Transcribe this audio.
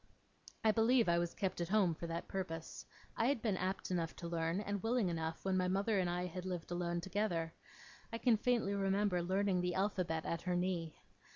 I believe I was kept at home for that purpose. I had been apt enough to learn, and willing enough, when my mother and I had lived alone together. I can faintly remember learning the alphabet at her knee.